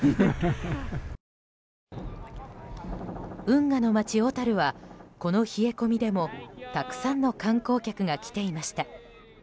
運河の街・小樽はこの冷え込みでもたくさんの観光客が来ていました。